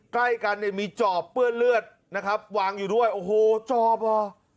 ใกล้กันเนี่ยมีจอบเปื้อนเลือดนะครับวางอยู่ด้วยโอ้โหจอบเหรอ